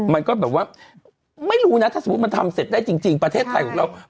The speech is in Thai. มันก็แบบว่าไม่รู้นะถ้าสมมุติมันทำเสร็จได้จริงประเทศไทยของเรา